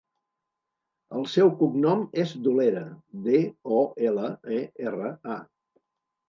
El seu cognom és Dolera: de, o, ela, e, erra, a.